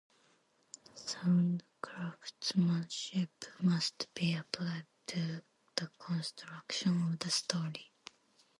Sound craftsmanship must be applied to the construction of the story.